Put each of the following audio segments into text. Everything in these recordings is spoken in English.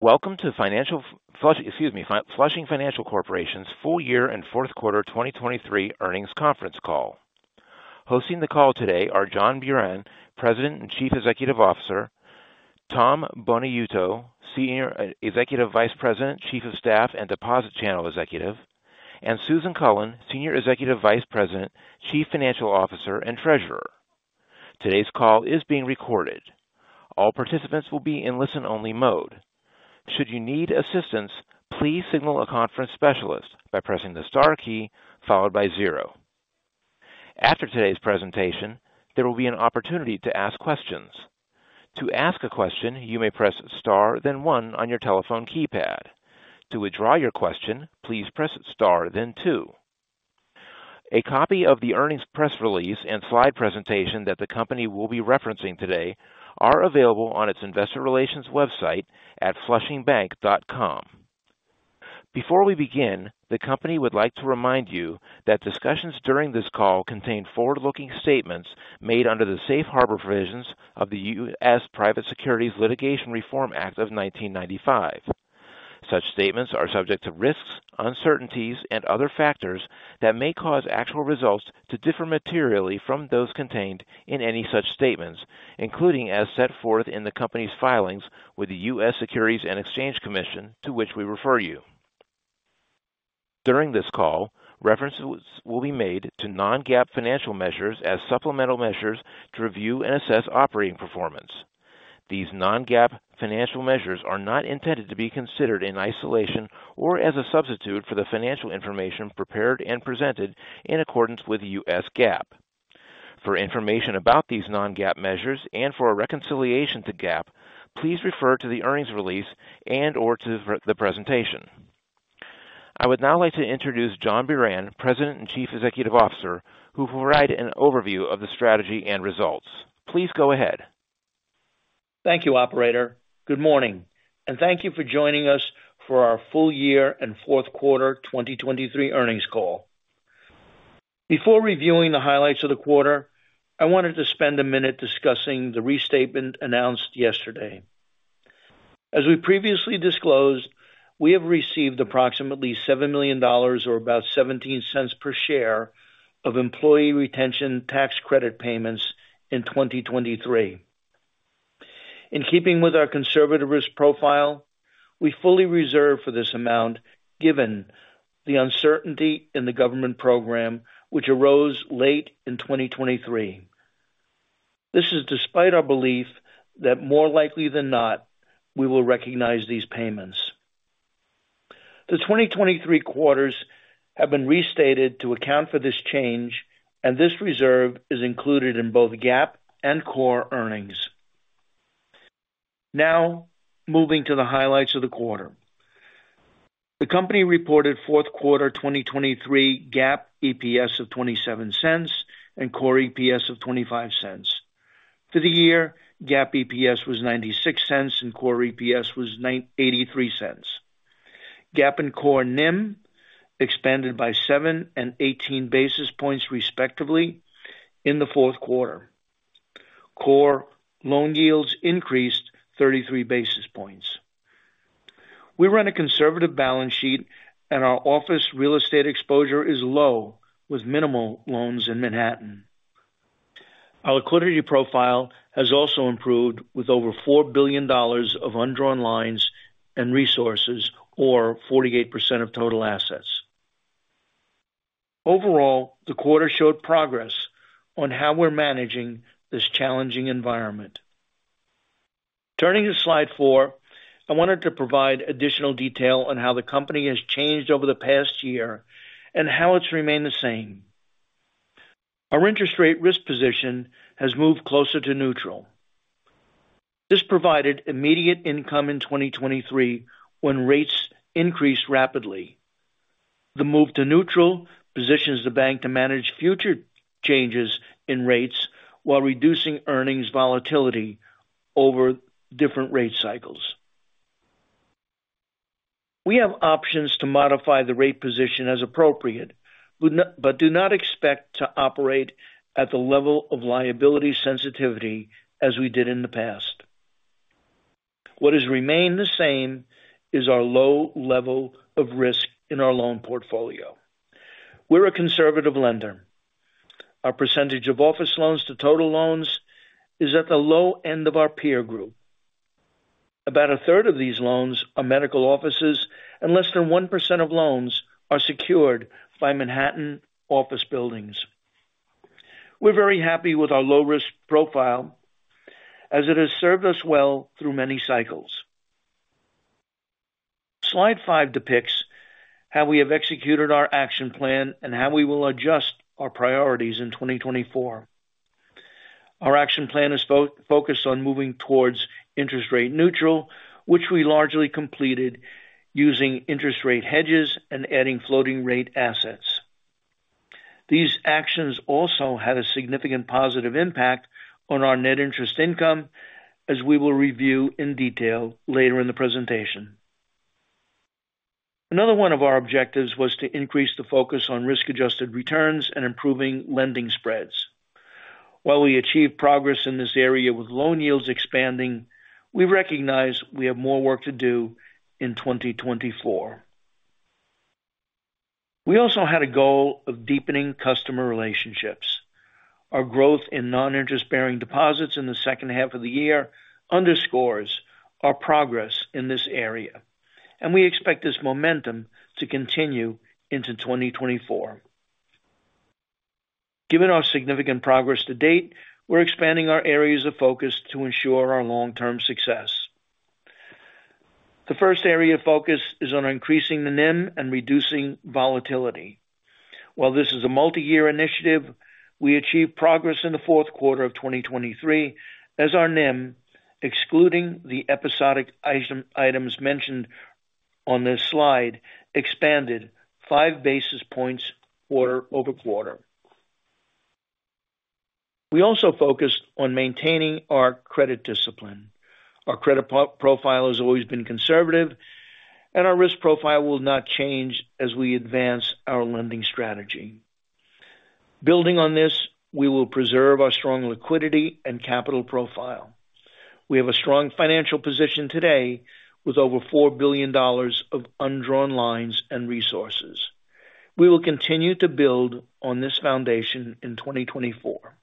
Welcome to Flushing Financial Corporation's Full Year and Fourth Quarter 2023 Earnings Conference Call. Hosting the call today are John Buran, President and Chief Executive Officer, Tom Buonaiuto, Senior Executive Vice President, Chief of Staff and Deposit Channel Executive, and Susan Cullen, Senior Executive Vice President, Chief Financial Officer, and Treasurer. Today's call is being recorded. All participants will be in listen-only mode. Should you need assistance, please signal a conference specialist by pressing the star key followed by zero. After today's presentation, there will be an opportunity to ask questions. To ask a question, you may press star, then one on your telephone keypad. To withdraw your question, please press star, then two. A copy of the earnings press release and slide presentation that the company will be referencing today are available on its investor relations website at flushingbank.com. Before we begin, the company would like to remind you that discussions during this call contain forward-looking statements made under the safe harbor provisions of the U.S. Private Securities Litigation Reform Act of 1995. Such statements are subject to risks, uncertainties, and other factors that may cause actual results to differ materially from those contained in any such statements, including as set forth in the company's filings with the U.S. Securities and Exchange Commission, to which we refer you. During this call, references will be made to non-GAAP financial measures as supplemental measures to review and assess operating performance. These non-GAAP financial measures are not intended to be considered in isolation or as a substitute for the financial information prepared and presented in accordance with the U.S. GAAP. For information about these non-GAAP measures and for a reconciliation to GAAP, please refer to the earnings release and/or to the presentation. I would now like to introduce John Buran, President and Chief Executive Officer, who will provide an overview of the strategy and results. Please go ahead. Thank you, operator. Good morning, and thank you for joining us for our Full Year and Fourth Quarter 2023 Earnings Call. Before reviewing the highlights of the quarter, I wanted to spend a minute discussing the restatement announced yesterday. As we previously disclosed, we have received approximately $7 million or about 17 cents per share of employee retention tax credit payments in 2023. In keeping with our conservative risk profile, we fully reserve for this amount given the uncertainty in the government program, which arose late in 2023. This is despite our belief that more likely than not, we will recognize these payments. The 2023 quarters have been restated to account for this change, and this reserve is included in both GAAP and core earnings. Now, moving to the highlights of the quarter. The company reported fourth quarter 2023 GAAP EPS of $0.27 and core EPS of $0.25. For the year, GAAP EPS was $0.96, and core EPS was $0.93. GAAP and core NIM expanded by 7 and 18 basis points, respectively, in the fourth quarter. Core loan yields increased 33 basis points. We run a conservative balance sheet, and our office Real Estate exposure is low, with minimal loans in Manhattan. Our liquidity profile has also improved with over $4 billion of undrawn lines and resources, or 48% of total assets. Overall, the quarter showed progress on how we're managing this challenging environment. Turning to slide four, I wanted to provide additional detail on how the company has changed over the past year and how it's remained the same. Our interest rate risk position has moved closer to neutral. This provided immediate income in 2023, when rates increased rapidly. The move to neutral positions the bank to manage future changes in rates while reducing earnings volatility over different rate cycles. We have options to modify the rate position as appropriate, but do not expect to operate at the level of liability sensitivity as we did in the past. What has remained the same is our low level of risk in our Loan Portfolio. We're a conservative lender. Our percentage of office loans to total loans is at the low end of our peer group. About a third of these loans are medical offices, and less than 1% of loans are secured by Manhattan office buildings. We're very happy with our low-risk profile as it has served us well through many cycles. Slide five depicts how we have executed our action plan and how we will adjust our priorities in 2024. Our action plan is focused on moving towards interest rate neutral, which we largely completed using interest rate hedges and adding floating rate assets. These actions also had a significant positive impact on our net interest income, as we will review in detail later in the presentation. Another one of our objectives was to increase the focus on risk-adjusted returns and improving lending spreads. While we achieved progress in this area with loan yields expanding, we recognize we have more work to do in 2024. We also had a goal of deepening customer relationships. Our growth in non-interest-bearing deposits in the second half of the year underscores our progress in this area, and we expect this momentum to continue into 2024. Given our significant progress to date, we're expanding our areas of focus to ensure our long-term success. The first area of focus is on increasing the NIM and reducing volatility. While this is a multi-year initiative, we achieved progress in the fourth quarter of 2023 as our NIM, excluding the episodic items mentioned on this slide, expanded 5 basis points quarter-over-quarter. We also focused on maintaining our credit discipline. Our credit profile has always been conservative, and our risk profile will not change as we advance our lending strategy. Building on this, we will preserve our strong liquidity and capital profile. We have a strong financial position today with over $4 billion of undrawn lines and resources. We will continue to build on this foundation in 2024.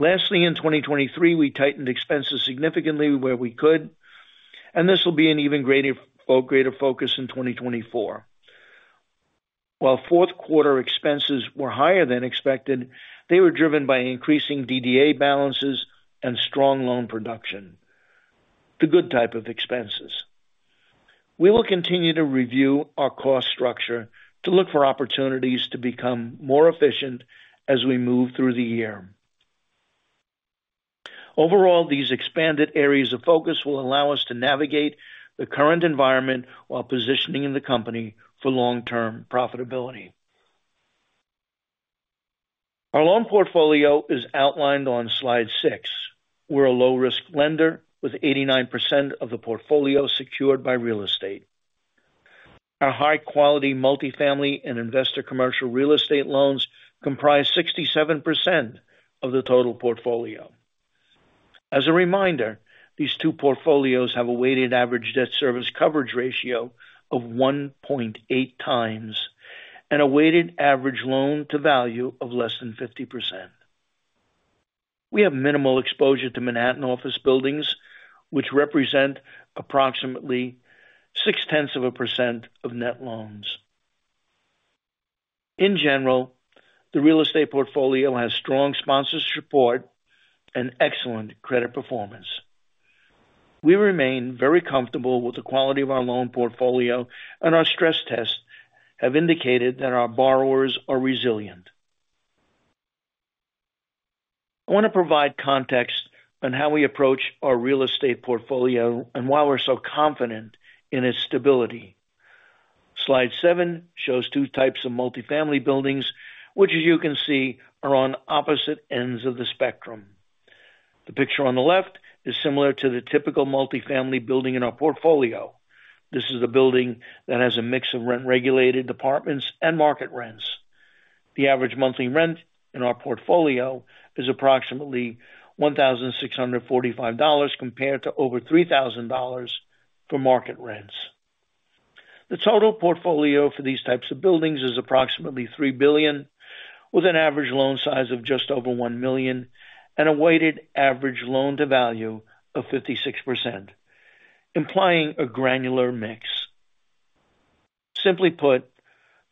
Lastly, in 2023, we tightened expenses significantly where we could, and this will be an even greater focus in 2024. While fourth quarter expenses were higher than expected, they were driven by increasing DDA balances and strong loan production. The good type of expenses. We will continue to review our cost structure to look for opportunities to become more efficient as we move through the year. Overall, these expanded areas of focus will allow us to navigate the current environment while positioning the company for long-term profitability. Our Loan Portfolio is outlined on slide six. We're a low-risk lender, with 89% of the portfolio secured by Real Estate. Our high-quality multifamily and investor commercial Real Estate loans comprise 67% of the total portfolio. As a reminder, these two portfolios have a weighted average debt service coverage ratio of 1.8 times and a weighted average loan-to-value of less than 50%. We have minimal exposure to Manhattan office buildings, which represent approximately 0.6% of net loans. In general, the Real Estate Portfolio has strong sponsor support and excellent credit performance. We remain very comfortable with the quality of our Loan Portfolio, and our stress tests have indicated that our borrowers are resilient. I want to provide context on how we approach our Real Estate Portfolio and why we're so confident in its stability. Slide seven shows two types of multifamily buildings, which, as you can see, are on opposite ends of the spectrum. The picture on the left is similar to the typical multifamily building in our portfolio. This is a building that has a mix of rent-regulated apartments and market rents. The average monthly rent in our portfolio is approximately $1,645, compared to over $3,000 for market rents. The total portfolio for these types of buildings is approximately $3 billion, with an average loan size of just over $1 million and a weighted average loan-to-value of 56%, implying a granular mix. Simply put,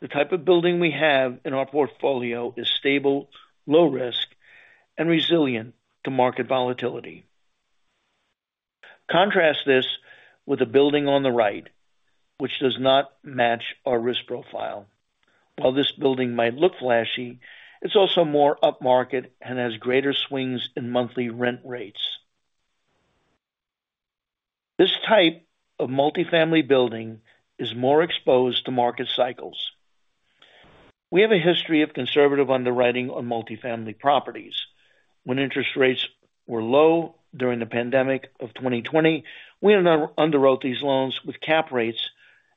the type of building we have in our portfolio is stable, low risk, and resilient to market volatility. Contrast this with the building on the right, which does not match our risk profile. While this building might look flashy, it's also more upmarket and has greater swings in monthly rent rates. This type of multifamily building is more exposed to market cycles. We have a history of conservative underwriting on multifamily properties. When interest rates were low during the pandemic of 2020, we underwrote these loans with cap rates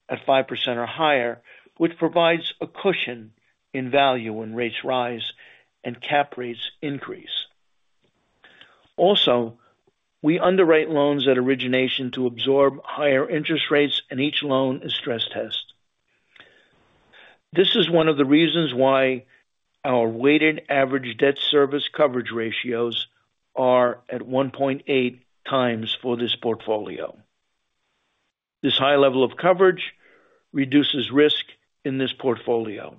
at 5% or higher, which provides a cushion in value when rates rise and cap rates increase. Also, we underwrite loans at origination to absorb higher interest rates, and each loan is stress-tested. This is one of the reasons why our weighted average debt service coverage ratios are at 1.8 times for this portfolio. This high level of coverage reduces risk in this portfolio.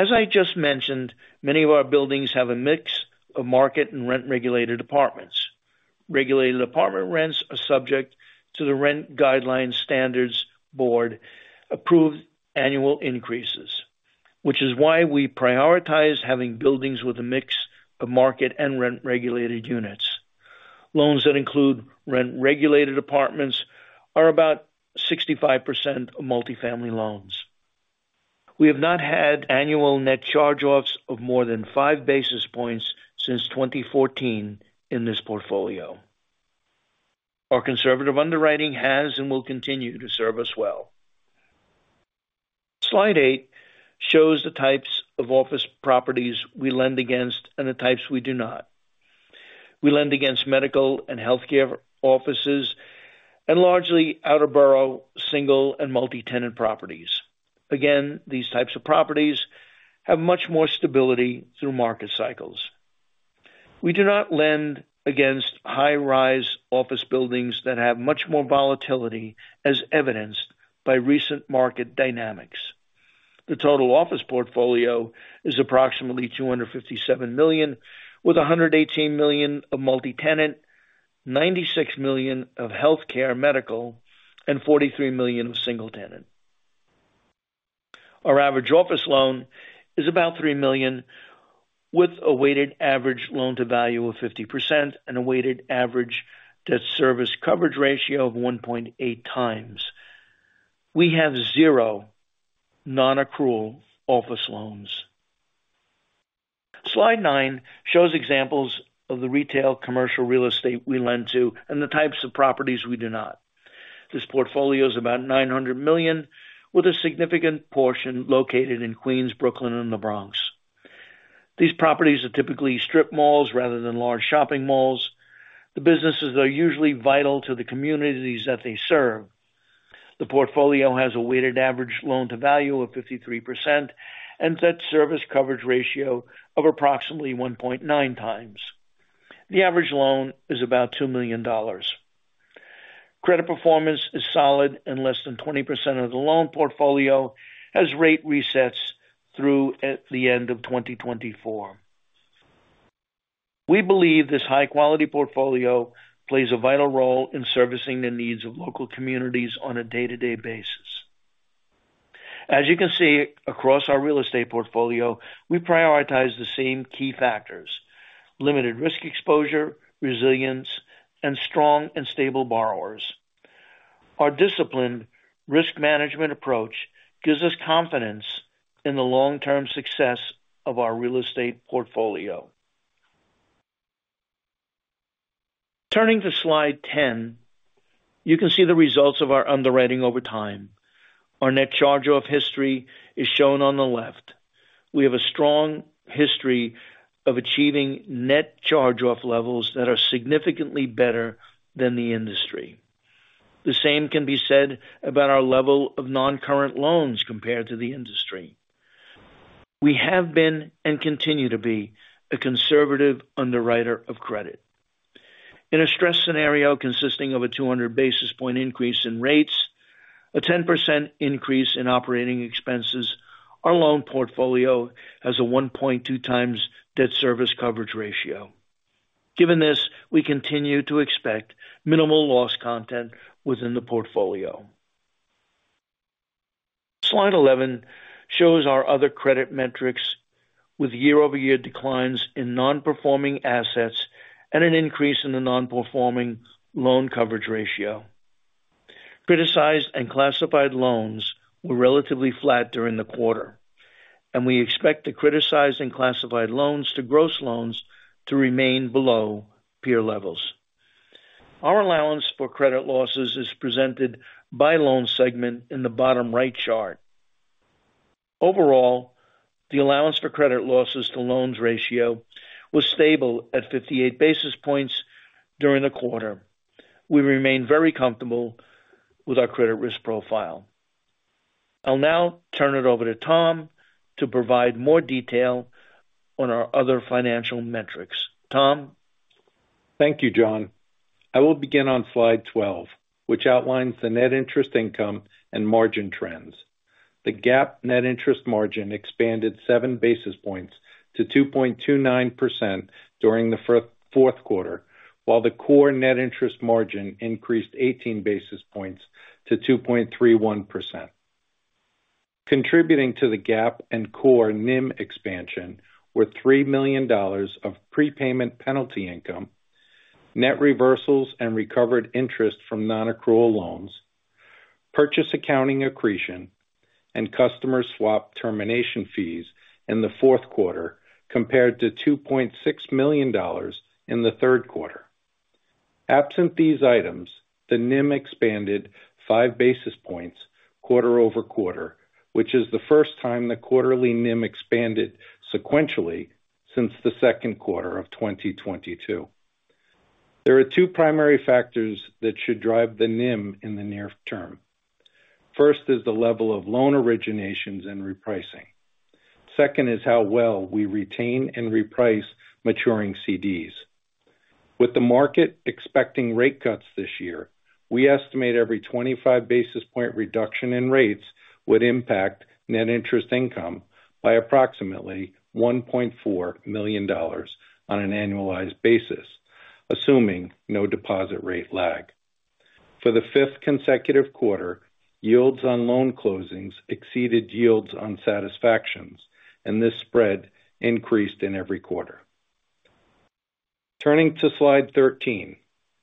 As I just mentioned, many of our buildings have a mix of market and rent-regulated apartments. Regulated apartment rents are subject to the Rent Guidelines Standards Board approved annual increases, which is why we prioritize having buildings with a mix of market and rent-regulated units. Loans that include rent-regulated apartments are about 65% of multifamily loans. We have not had annual net charge-offs of more than 5 basis points since 2014 in this portfolio. Our conservative underwriting has and will continue to serve us well. Slide 8 shows the types of office properties we lend against and the types we do not. We lend against medical and healthcare offices and largely outer borough, single and multi-tenant properties. Again, these types of properties have much more stability through market cycles. We do not lend against high-rise office buildings that have much more volatility, as evidenced by recent market dynamics. The total office portfolio is approximately $257 million, with $118 million of multi-tenant, $96 million of healthcare medical, and $43 million of single tenant. Our average office loan is about $3 million, with a weighted average loan to value of 50% and a weighted average debt service coverage ratio of 1.8 times. We have zero non-accrual office loans. Slide nine shows examples of the retail commercial Real Estate we lend to and the types of properties we do not. This portfolio is about $900 million, with a significant portion located in Queens, Brooklyn, and the Bronx. These properties are typically strip malls rather than large shopping malls. The businesses are usually vital to the communities that they serve. The portfolio has a weighted average loan to value of 53% and debt service coverage ratio of approximately 1.9 times. The average loan is about $2 million. Credit performance is solid and less than 20% of the Loan Portfolio has rate resets through at the end of 2024. We believe this high-quality portfolio plays a vital role in servicing the needs of local communities on a day-to-day basis. As you can see, across our Real Estate Portfolio, we prioritize the same key factors: limited risk exposure, resilience, and strong and stable borrowers. Our disciplined risk management approach gives us confidence in the long-term success of our Real Estate Portfolio. Turning to slide 10, you can see the results of our underwriting over time. Our net charge-off history is shown on the left. We have a strong history of achieving net charge-off levels that are significantly better than the industry. The same can be said about our level of non-current loans compared to the industry. We have been and continue to be a conservative underwriter of credit. In a stress scenario consisting of a 200 basis point increase in rates, a 10% increase in operating expenses, our Loan Portfolio has a 1.2 times debt service coverage ratio. Given this, we continue to expect minimal loss content within the portfolio. Slide 11 shows our other credit metrics with year-over-year declines in non-performing assets and an increase in the non-performing loan coverage ratio. Criticized and classified loans were relatively flat during the quarter, and we expect the criticized and classified loans to gross loans to remain below peer levels. Our allowance for credit losses is presented by loan segment in the bottom right chart. Overall, the allowance for credit losses to loans ratio was stable at 58 basis points during the quarter. We remain very comfortable with our credit risk profile. I'll now turn it over to Tom to provide more detail on our other financial metrics. Tom? Thank you, John. I will begin on slide 12, which outlines the net interest income and margin trends. The GAAP net interest margin expanded 7 basis points to 2.29% during the fourth quarter, while the core net interest margin increased 18 basis points to 2.31%. Contributing to the GAAP and core NIM expansion were $3 million of prepayment penalty income, net reversals and recovered interest from non-accrual loans, purchase accounting accretion, and customer swap termination fees in the fourth quarter, compared to $2.6 million in the third quarter. Absent these items, the NIM expanded 5 basis points quarter-over-quarter, which is the first time the quarterly NIM expanded sequentially since the second quarter of 2022. There are two primary factors that should drive the NIM in the near term. First is the level of loan originations and repricing. Second is how well we retain and reprice maturing CDs. With the market expecting rate cuts this year, we estimate every 25 basis point reduction in rates would impact net interest income by approximately $1.4 million on an annualized basis, assuming no deposit rate lag. For the 5th consecutive quarter, yields on loan closings exceeded yields on satisfactions, and this spread increased in every quarter. Turning to slide 13.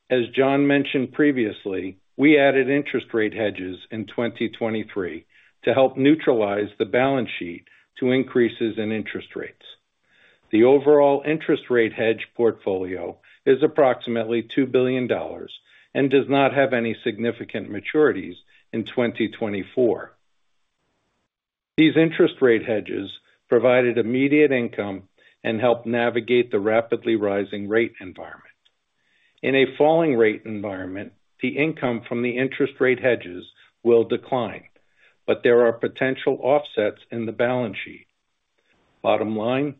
As John mentioned previously, we added interest rate hedges in 2023 to help neutralize the balance sheet to increases in interest rates. The overall interest rate hedge portfolio is approximately $2 billion and does not have any significant maturities in 2024. These interest rate hedges provided immediate income and helped navigate the rapidly rising rate environment. In a falling rate environment, the income from the interest rate hedges will decline, but there are potential offsets in the balance sheet. Bottom line,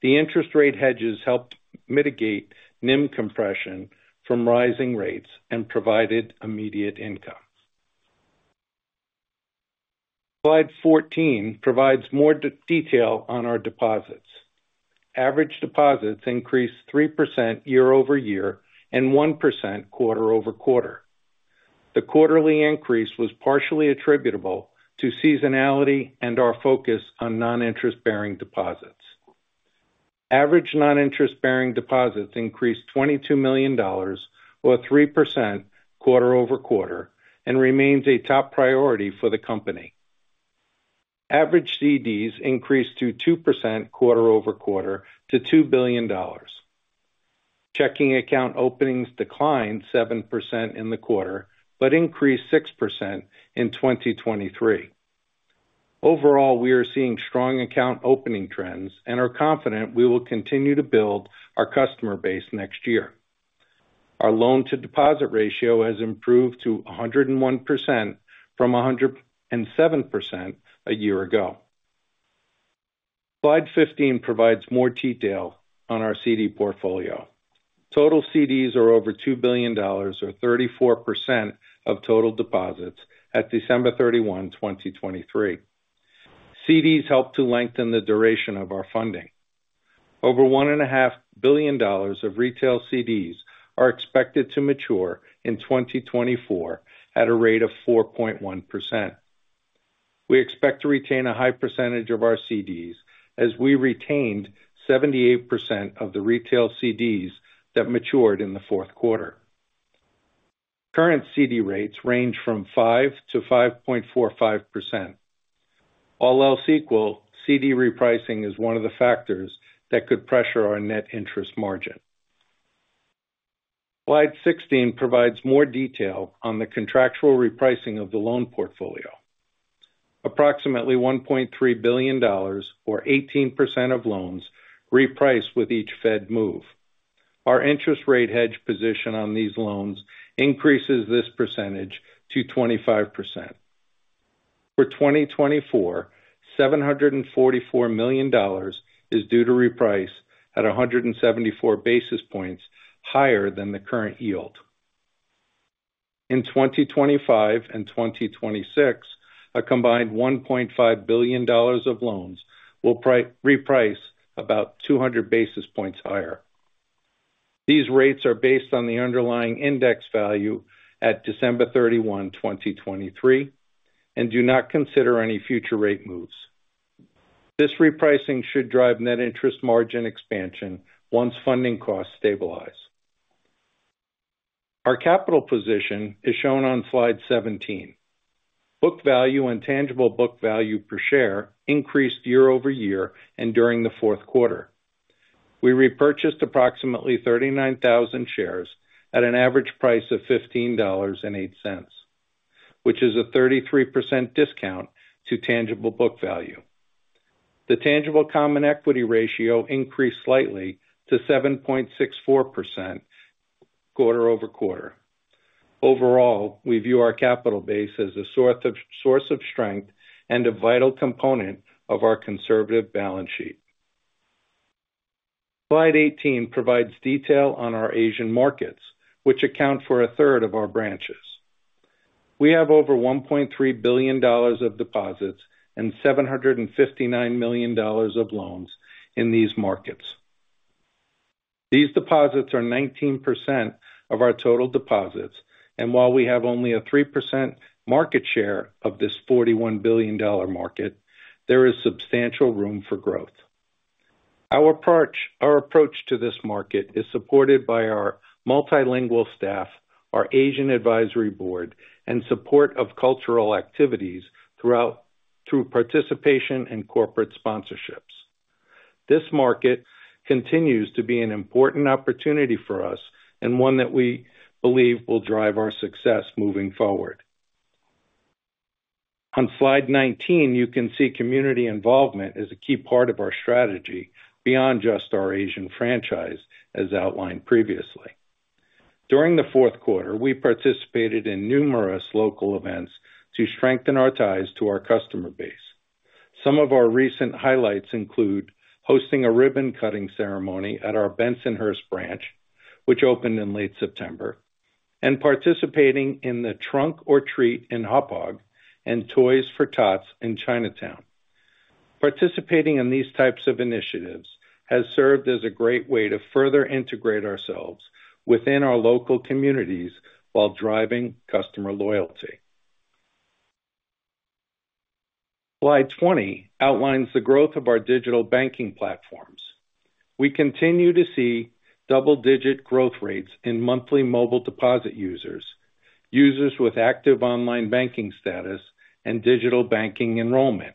the interest rate hedges helped mitigate NIM compression from rising rates and provided immediate income. Slide 14 provides more detail on our deposits. Average deposits increased 3% year-over-year and 1% quarter-over-quarter. The quarterly increase was partially attributable to seasonality and our focus on non-interest-bearing deposits. Average non-interest-bearing deposits increased $22 million or 3% quarter-over-quarter and remains a top priority for the company. Average CDs increased to 2% quarter-over-quarter to $2 billion. Checking account openings declined 7% in the quarter, but increased 6% in 2023. Overall, we are seeing strong account opening trends and are confident we will continue to build our customer base next year. Our loan to deposit ratio has improved to 101% from 107% a year ago. Slide 15 provides more detail on our CD portfolio. Total CDs are over $2 billion or 34% of total deposits at December 31, 2023. CDs help to lengthen the duration of our funding. Over $1.5 billion of retail CDs are expected to mature in 2024 at a rate of 4.1%. We expect to retain a high percentage of our CDs as we retained 78% of the retail CDs that matured in the fourth quarter. Current CD rates range from 5%-5.45%. All else equal, CD repricing is one of the factors that could pressure our net interest margin. Slide 16 provides more detail on the contractual repricing of the Loan Portfolio. Approximately $1.3 billion or 18% of loans reprice with each Fed move. Our interest rate hedge position on these loans increases this percentage to 25%. For 2024, $744 million is due to reprice at 174 basis points higher than the current yield. In 2025 and 2026, a combined $1.5 billion of loans will reprice about 200 basis points higher. These rates are based on the underlying index value at December 31, 2023, and do not consider any future rate moves. This repricing should drive net interest margin expansion once funding costs stabilize. Our capital position is shown on slide 17. Book value and tangible book value per share increased year-over-year and during the fourth quarter. We repurchased approximately 39,000 shares at an average price of $15.08, which is a 33% discount to tangible book value. The tangible common equity ratio increased slightly to 7.64% quarter-over-quarter. Overall, we view our capital base as a sort of source of strength and a vital component of our conservative balance sheet. Slide 18 provides detail on our Asian markets, which account for a third of our branches. We have over $1.3 billion of deposits and $759 million of loans in these markets. These deposits are 19% of our total deposits, and while we have only a 3% market share of this $41 billion market, there is substantial room for growth. Our approach to this market is supported by our multilingual staff, our Asian advisory board, and support of cultural activities through participation and corporate sponsorships. This market continues to be an important opportunity for us and one that we believe will drive our success moving forward. On slide 19, you can see community involvement is a key part of our strategy beyond just our Asian franchise, as outlined previously. During the fourth quarter, we participated in numerous local events to strengthen our ties to our customer base. Some of our recent highlights include hosting a ribbon-cutting ceremony at our Bensonhurst branch, which opened in late September, and participating in the Trunk or Treat in Hauppauge and Toys for Tots in Chinatown. Participating in these types of initiatives has served as a great way to further integrate ourselves within our local communities while driving customer loyalty.... Slide 20 outlines the growth of our digital banking platforms. We continue to see double-digit growth rates in monthly mobile deposit users, users with active online banking status, and digital banking enrollment.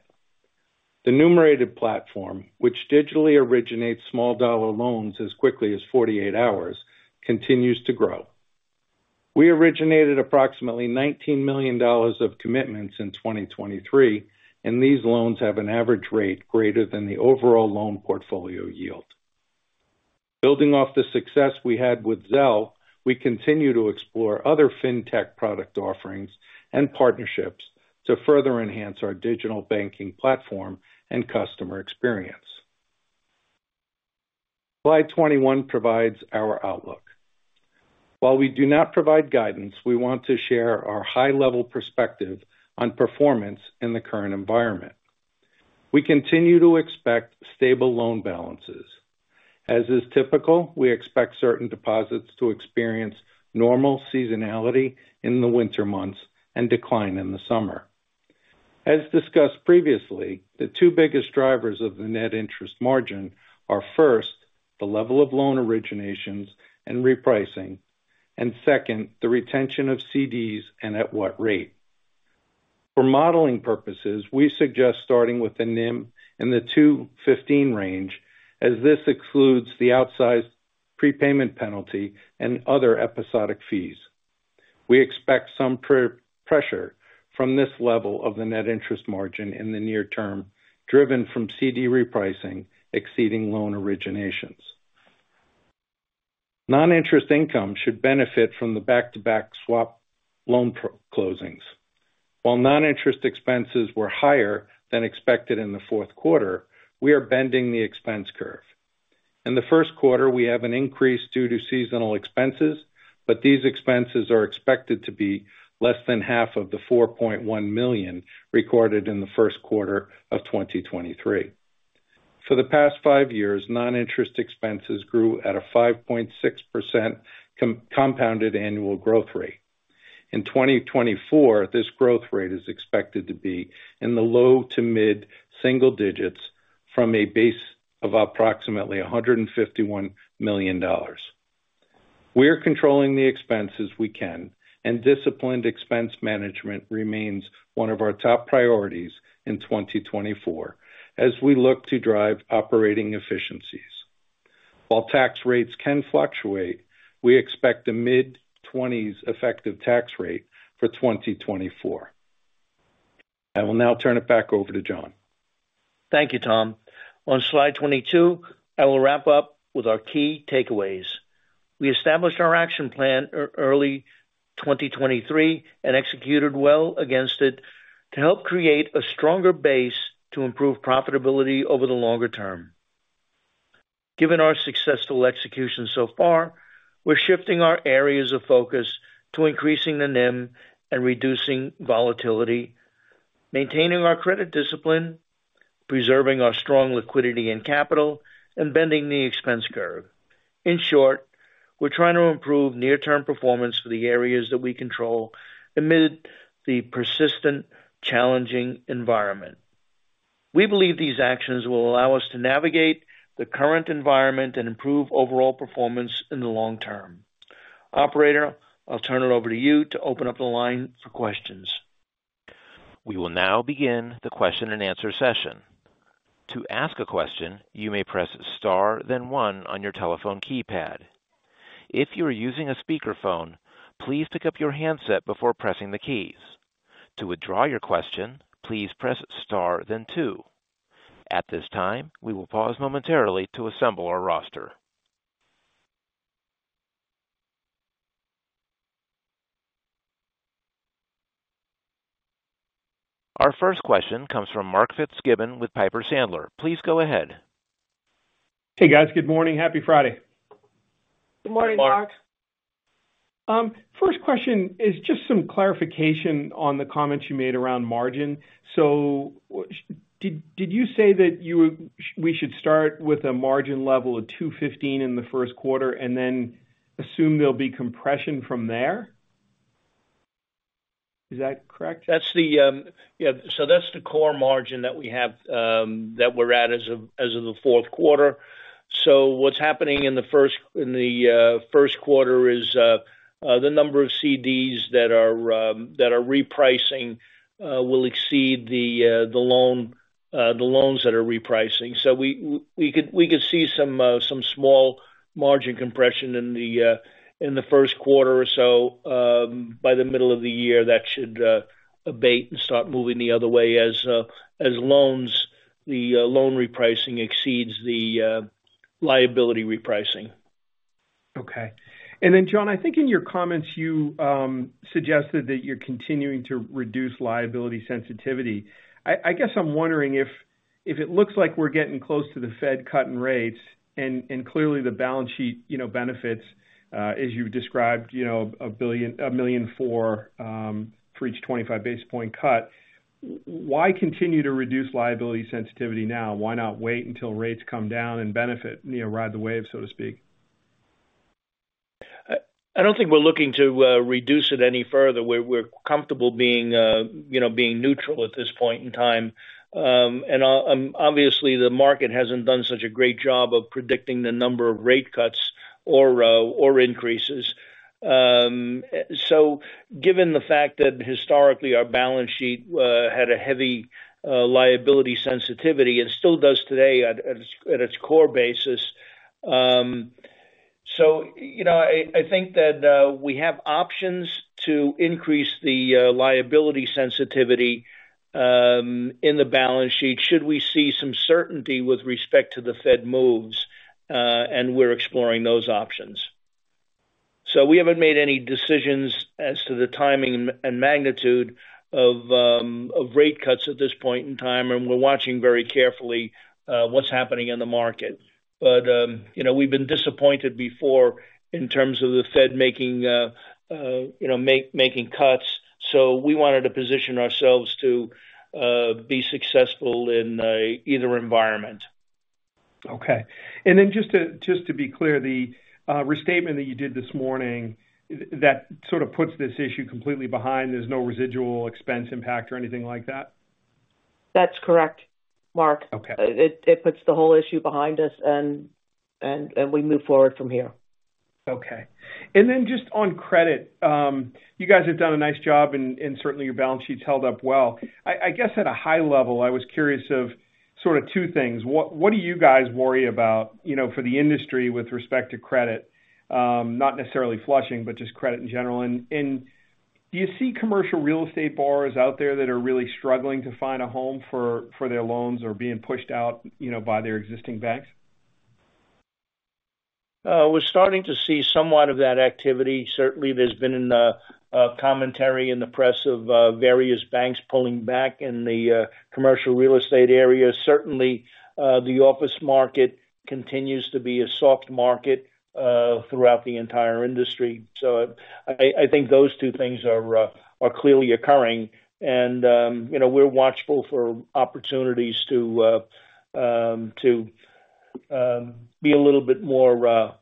The Numerated platform, which digitally originates small dollar loans as quickly as 48 hours, continues to grow. We originated approximately $19 million of commitments in 2023, and these loans have an average rate greater than the overall Loan Portfolio yield. Building off the success we had with Zelle, we continue to explore other fintech product offerings and partnerships to further enhance our digital banking platform and customer experience. Slide 21 provides our outlook. While we do not provide guidance, we want to share our high-level perspective on performance in the current environment. We continue to expect stable loan balances. As is typical, we expect certain deposits to experience normal seasonality in the winter months and decline in the summer. As discussed previously, the two biggest drivers of the net interest margin are, first, the level of loan originations and repricing, and second, the retention of CDs and at what rate. For modeling purposes, we suggest starting with the NIM in the 2.15 range, as this excludes the outsized prepayment penalty and other episodic fees. We expect some pressure from this level of the net interest margin in the near term, driven from CD repricing exceeding loan originations. Non-interest income should benefit from the back-to-back swap loan closings. While non-interest expenses were higher than expected in the fourth quarter, we are bending the expense curve. In the first quarter, we have an increase due to seasonal expenses, but these expenses are expected to be less than half of the $4.1 million recorded in the first quarter of 2023. For the past five years, non-interest expenses grew at a 5.6% compounded annual growth rate. In 2024, this growth rate is expected to be in the low-to-mid single digits from a base of approximately $151 million. We're controlling the expenses we can, and disciplined expense management remains one of our top priorities in 2024 as we look to drive operating efficiencies. While tax rates can fluctuate, we expect a mid-20s% effective tax rate for 2024. I will now turn it back over to John. Thank you, Tom. On slide 22, I will wrap up with our key takeaways. We established our action plan early 2023 and executed well against it to help create a stronger base to improve profitability over the longer term. Given our successful execution so far, we're shifting our areas of focus to increasing the NIM and reducing volatility, maintaining our credit discipline, preserving our strong liquidity and capital, and bending the expense curve. In short, we're trying to improve near-term performance for the areas that we control amid the persistent, challenging environment. We believe these actions will allow us to navigate the current environment and improve overall performance in the long term. Operator, I'll turn it over to you to open up the line for questions. We will now begin the Q&A session. To ask a question, you may press star then one on your telephone keypad. If you are using a speakerphone, please pick up your handset before pressing the keys. To withdraw your question, please press star then two. At this time, we will pause momentarily to assemble our roster. Our first question comes from Mark Fitzgibbon with Piper Sandler. Please go ahead. Hey, guys. Good morning. Happy Friday. Good morning, Mark. First question is just some clarification on the comments you made around margin. So, did you say that we should start with a margin level of 215 in the first quarter and then assume there'll be compression from there? Is that correct? That's the. Yeah, so that's the core margin that we have, that we're at as of the fourth quarter. So what's happening in the first quarter is, the number of CDs that are repricing will exceed the loans that are repricing. So we could see some small margin compression in the first quarter or so. By the middle of the year, that should abate and start moving the other way as loan repricing exceeds the liability repricing. Okay. And then, John, I think in your comments you suggested that you're continuing to reduce liability sensitivity. I guess I'm wondering if it looks like we're getting close to the Fed cutting rates, and clearly the balance sheet, you know, benefits, as you've described, you know, $1 million for each 25 basis point cut. Why continue to reduce liability sensitivity now? Why not wait until rates come down and benefit, you know, ride the wave, so to speak? I don't think we're looking to reduce it any further. We're comfortable being, you know, being neutral at this point in time. Obviously, the market hasn't done such a great job of predicting the number of rate cuts or increases. So given the fact that historically our balance sheet had a heavy liability sensitivity, and still does today at its core basis. So, you know, I think that we have options to increase the liability sensitivity in the balance sheet, should we see some certainty with respect to the Fed moves, and we're exploring those options. So we haven't made any decisions as to the timing and magnitude of rate cuts at this point in time, and we're watching very carefully what's happening in the market. But, you know, we've been disappointed before in terms of the Fed making, you know, making cuts, so we wanted to position ourselves to be successful in either environment. Okay. And then just to, just to be clear, the restatement that you did this morning, that sort of puts this issue completely behind, there's no residual expense impact or anything like that? That's correct, Mark. Okay. It puts the whole issue behind us, and we move forward from here. Okay. And then just on credit, you guys have done a nice job and, and certainly your balance sheet's held up well. I, I guess at a high level, I was curious of sort of two things. What, what do you guys worry about, you know, for the industry with respect to credit? Not necessarily Flushing, but just credit in general. And, and do you see commercial Real Estate borrowers out there that are really struggling to find a home for, for their loans or being pushed out, you know, by their existing banks? We're starting to see somewhat of that activity. Certainly, there's been a commentary in the press of various banks pulling back in the commercial Real Estate area. Certainly, the office market continues to be a soft market throughout the entire industry. So I think those two things are clearly occurring. And you know, we're watchful for opportunities to be a little bit more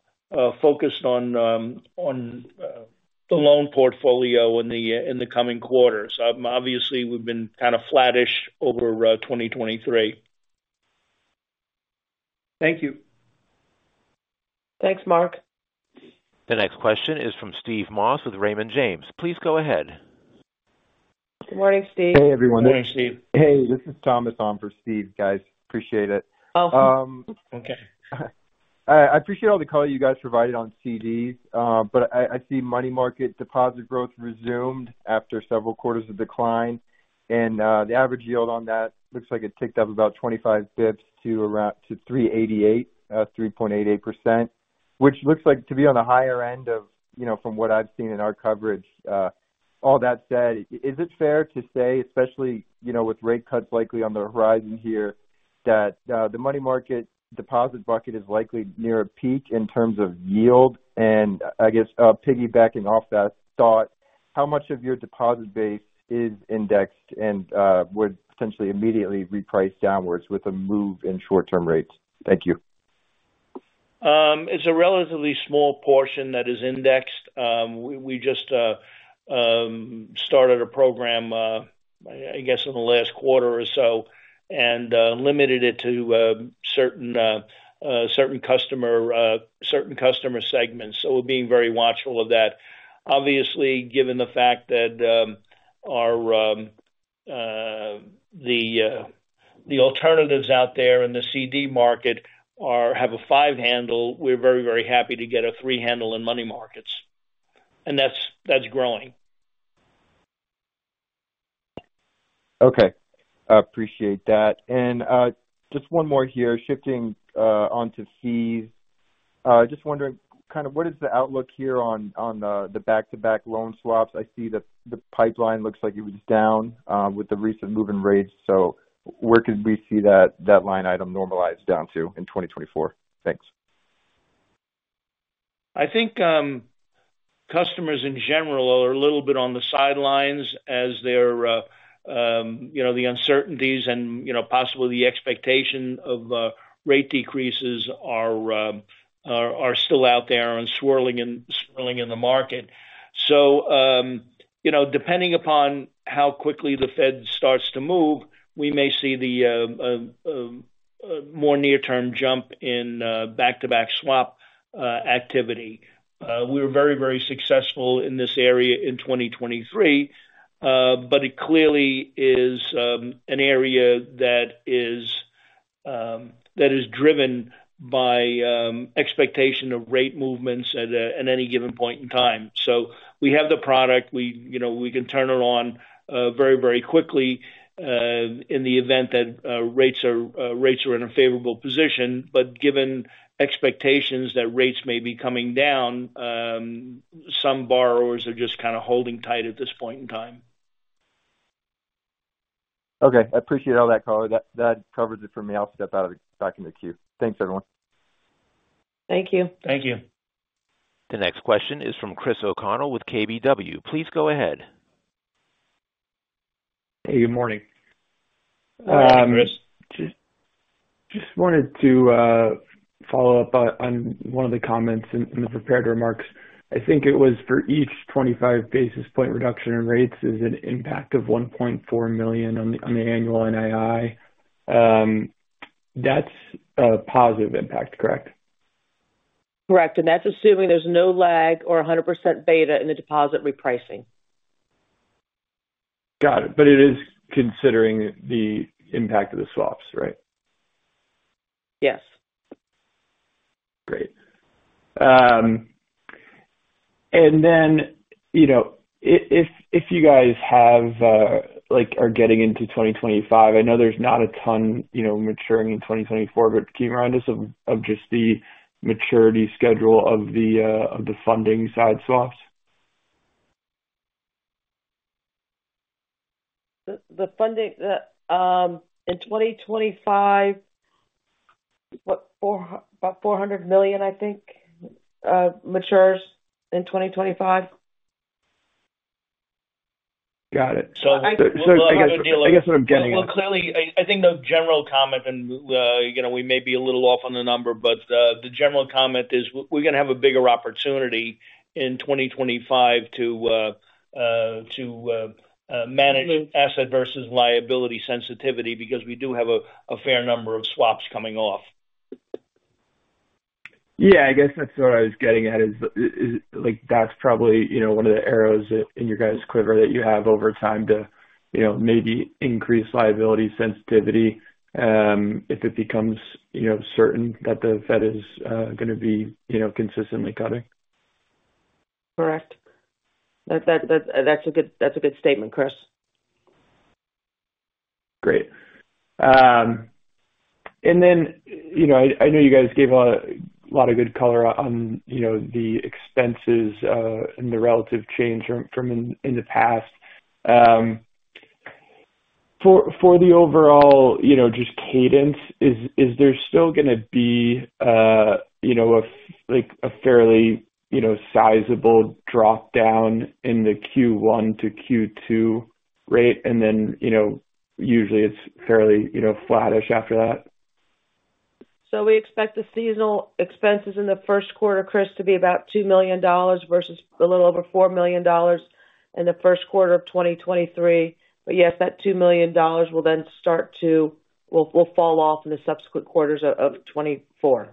focused on the Loan Portfolio in the coming quarters. Obviously, we've been kind of flattish over 2023. Thank you. Thanks, Mark. The next question is from Steve Moss with Raymond James. Please go ahead. Good morning, Steve. Hey, everyone. Good morning, Steve. Hey, this is Thomas on for Steve, guys. Appreciate it. Oh. Um. Okay. I appreciate all the color you guys provided on CDs, but I see money market deposit growth resumed after several quarters of decline, and the average yield on that looks like it ticked up about 25 bps to around 3.88%, which looks like to be on the higher end of, you know, from what I've seen in our coverage. All that said, is it fair to say, especially, you know, with rate cuts likely on the horizon here, that the money market deposit bucket is likely near a peak in terms of yield? And I guess, piggybacking off that thought, how much of your deposit base is indexed and would potentially immediately reprice downwards with a move in short-term rates? Thank you. It's a relatively small portion that is indexed. We just started a program, I guess in the last quarter or so, and limited it to certain customer segments. So we're being very watchful of that. Obviously, given the fact that the alternatives out there in the CD market have a 5 handle, we're very, very happy to get a 3 handle in money markets, and that's growing. Okay. I appreciate that. And, just one more here, shifting, onto fees. Just wondering, kind of what is the outlook here on, on, the back-to-back loan swaps? I see that the pipeline looks like it was down, with the recent move in rates. So where could we see that, that line item normalize down to in 2024? Thanks. I think, customers in general are a little bit on the sidelines as they're, you know, the uncertainties and, you know, possibly the expectation of rate decreases are still out there and swirling and swirling in the market. So, you know, depending upon how quickly the Fed starts to move, we may see the more near-term jump in back-to-back swap activity. We were very, very successful in this area in 2023, but it clearly is an area that is driven by expectation of rate movements at any given point in time. So we have the product. We, you know, we can turn it on very, very quickly in the event that rates are in a favorable position. Given expectations that rates may be coming down, some borrowers are just kind of holding tight at this point in time. Okay. I appreciate all that, color. That, that covers it for me. I'll step out of- back in the queue. Thanks, everyone. Thank you. Thank you. The next question is from Chris O'Connell with KBW. Please go ahead. Hey, good morning. Just wanted to follow up on one of the comments in the prepared remarks. I think it was for each 25 basis point reduction in rates is an impact of $1.4 million on the annual NII. That's a positive impact, correct? Correct. That's assuming there's no lag or 100% beta in the deposit repricing. Got it. But it is considering the impact of the swaps, right? Yes. Great. And then, you know, if you guys have like are getting into 2025, I know there's not a ton, you know, maturing in 2024, but can you remind us of just the maturity schedule of the funding side swaps? The funding in 2025, about $400 million, I think, matures in 2025. Got it. So- I guess what I'm getting at- Well, clearly, I think the general comment and, you know, we may be a little off on the number, but the general comment is we're gonna have a bigger opportunity in 2025 to manage asset versus liability sensitivity because we do have a fair number of swaps coming off. Yeah, I guess that's what I was getting at, is like, that's probably, you know, one of the arrows in your guys' quiver that you have over time to, you know, maybe increase liability sensitivity, if it becomes, you know, certain that the Fed is gonna be, you know, consistently cutting. Correct. That's a good statement, Chris. Great. And then, you know, I know you guys gave a lot of good color on, you know, the expenses, and the relative change from the past. For the overall, you know, just cadence, is there still gonna be, you know, like a fairly sizable drop-down in the Q1 to Q2 rate, and then, you know, usually it's fairly flattish after that? So we expect the seasonal expenses in the first quarter, Chris, to be about $2 million versus a little over $4 million in the first quarter of 2023. But yes, that $2 million will then start to... will fall off in the subsequent quarters of 2024.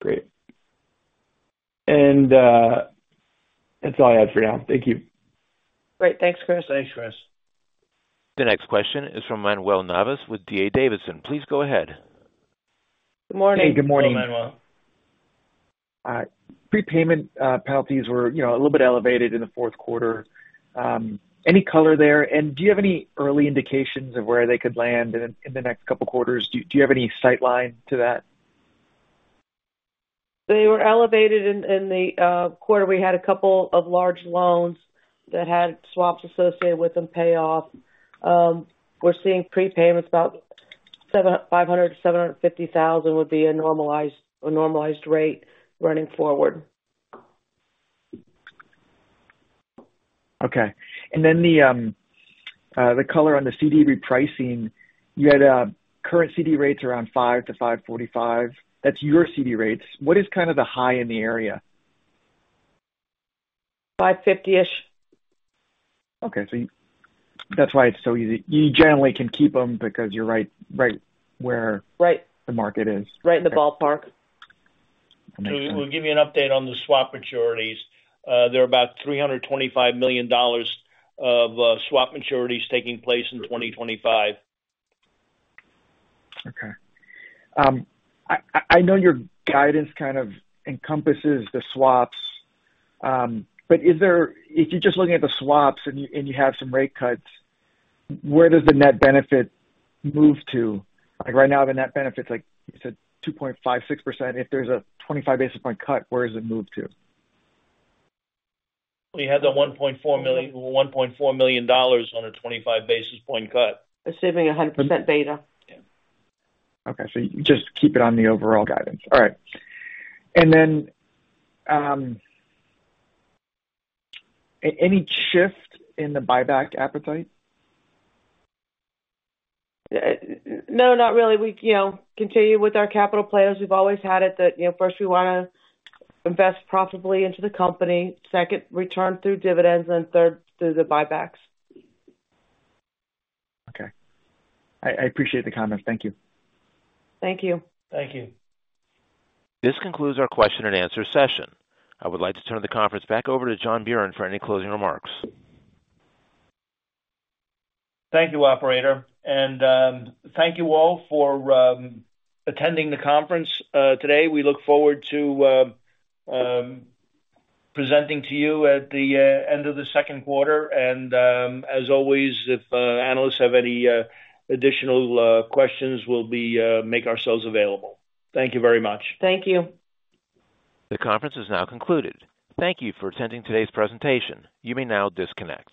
Great. And, that's all I have for now. Thank you. Great. Thanks, Chris. Thanks, Chris. The next question is from Manuel Navas with D.A. Davidson. Please go ahead. Good morning. Good morning, Manuel. Prepayment penalties were, you know, a little bit elevated in the fourth quarter. Any color there? And do you have any early indications of where they could land in the next couple quarters? Do you have any sight line to that? They were elevated in the quarter. We had a couple of large loans that had swaps associated with them pay off. We're seeing prepayments about $500,000-$750,000 would be a normalized rate running forward. Okay. And then the color on the CD repricing, you had current CD rates around 5%-5.45%. That's your CD rates. What is kind of the high in the area? Five fifty-ish. Okay. So that's why it's so easy. You generally can keep them because you're right, right where- Right. The market is. Right in the ballpark. Makes sense. We'll give you an update on the swap maturities. There are about $325 million of swap maturities taking place in 2025. Okay. I know your guidance kind of encompasses the swaps, but is there, if you're just looking at the swaps and you have some rate cuts, where does the net benefit move to? Like, right now, the net benefit's, like you said, 2.56%. If there's a 25 basis point cut, where does it move to? We have the $1.4 million on a 25 basis points cut. Assuming 100% beta. Yeah. Okay. So you just keep it on the overall guidance. All right. And then, any shift in the buyback appetite? No, not really. We, you know, continue with our capital plan as we've always had it, that, you know, first we wanna invest profitably into the company, second, return through dividends, and third, through the buybacks. Okay. I appreciate the comments. Thank you. Thank you. Thank you. This concludes our Q&A session. I would like to turn the conference back over to John Buran for any closing remarks. Thank you, operator, and thank you all for attending the conference today. We look forward to presenting to you at the end of the second quarter, and as always, if analysts have any additional questions, we'll make ourselves available. Thank you very much. Thank you. The conference is now concluded. Thank you for attending today's presentation. You may now disconnect.